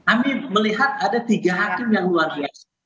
amin melihat ada tiga hakim yang luar biasa